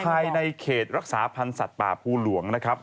ภายในเขตรักษาพันธ์สัตว์ป่าภูหลวงนะครับ